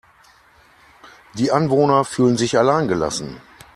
Die Anwohner fühlen sich allein gelassen.